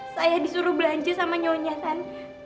saya disuruh belanja sama nyonya kan